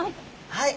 はい。